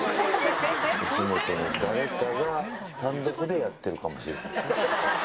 吉本の誰かが単独でやってるかもしれない。